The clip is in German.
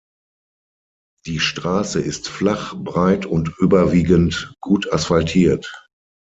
Die Straße ist flach, breit und überwiegend gut asphaltiert.